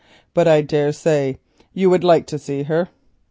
But I dare say you would like to see her.